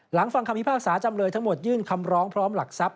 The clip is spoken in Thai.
ฟังคำพิพากษาจำเลยทั้งหมดยื่นคำร้องพร้อมหลักทรัพย